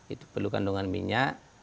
itu perlu kandungan minyak